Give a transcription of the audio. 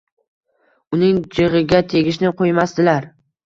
Uning jigʻiga tegishni qoʻymasdilar.